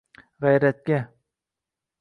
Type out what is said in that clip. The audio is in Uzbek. g’ayratga.